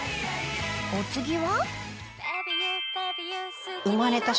［お次は？］